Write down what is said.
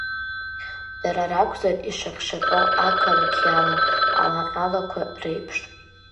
Дара ракәзар, ишаҟь-шаҟьо ақалақь иалан, алаҟьалақәа реиԥш.